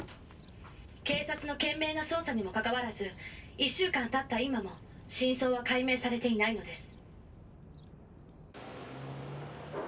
「警察の懸命な捜査にもかかわらず１週間経った今も真相は解明されていないのです」